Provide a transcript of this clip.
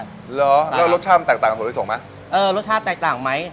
เหรอแล้วรสชาติมันแตกต่างกับถั่วลิสงไหมเออรสชาติแตกต่างไหม